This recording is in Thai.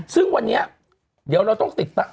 ซึ่งวันนี้เดี๋ยวเราต้องติดตาม